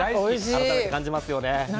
改めて感じますよね。